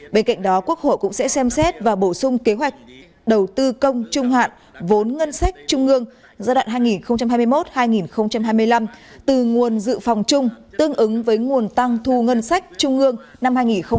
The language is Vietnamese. bên cạnh đó quốc hội cũng sẽ xem xét và bổ sung kế hoạch đầu tư công trung hạn vốn ngân sách trung ương giai đoạn hai nghìn hai mươi một hai nghìn hai mươi năm từ nguồn dự phòng chung tương ứng với nguồn tăng thu ngân sách trung ương năm hai nghìn hai mươi